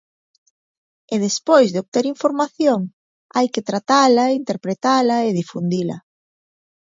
E despois de obter información, hai que tratala e interpretala e difundila.